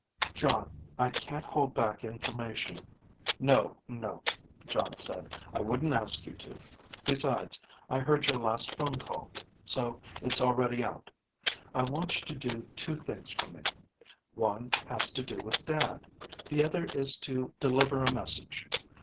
"Jon, I can't hold back information...." "No, no," Jon said. "I wouldn't ask you to. Besides, I heard your last phone call. So it's already out. I want you to do two things for me. One has to do with Dad. The other is to deliver a message.